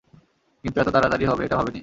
কিন্তু এত তারাতাড়ি হবে এটা ভাবিনি।